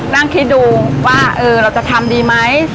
นั่งคิดดูว่าเราจะทำดีไหม